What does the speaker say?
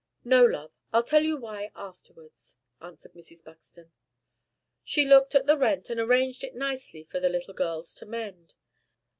"No, love. I'll tell you why afterwards," answered Mrs. Buxton. She looked at the rent, and arranged it nicely for the little girls to mend.